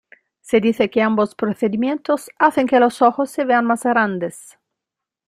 Se dice que ambos procedimientos hacen que los ojos se vean más grandes.